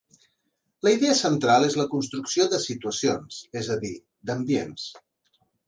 La idea central és la construcció de situacions, és a dir, d'ambients.